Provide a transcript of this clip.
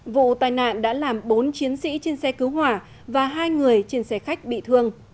vụ tai nạn đã làm bốn chiến sĩ trên xe cứu hỏa và hai người trên xe khách bị thương